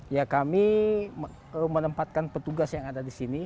ya kami menempatkan petugas yang ada disini